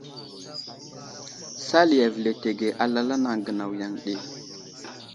Sali avəletege alal a anaŋ gənaw yaŋ ɗi.